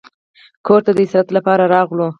کور ته د استراحت لپاره راغلو.